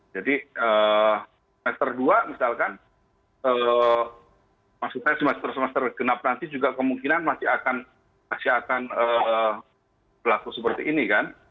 jadi semester dua misalkan semester semester genap nanti juga kemungkinan masih akan berlaku seperti ini kan